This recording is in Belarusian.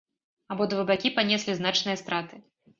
Абодва бакі панеслі значныя страты.